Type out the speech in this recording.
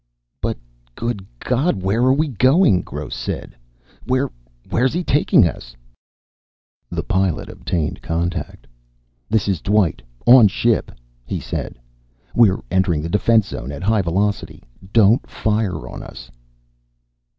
"But good God, where are we going?" Gross said. "Where where's he taking us?" The Pilot obtained contact. "This is Dwight, on ship," he said. "We're entering the defense zone at high velocity. Don't fire on us."